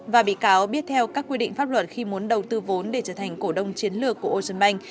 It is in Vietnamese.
và bị cáo biết theo các quy định pháp luật khi muốn đầu tư vốn để trở thành cổ đông chiến lược của ocean bank